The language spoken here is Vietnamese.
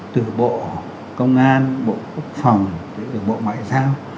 từ bộ công an bộ quốc phòng bộ ngoại giao